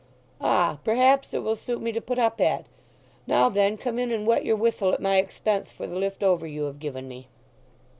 "Ah, perhaps it will suit me to put up at. Now then, come in and wet your whistle at my expense for the lift over you have given me."